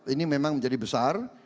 ini memang menjadi besar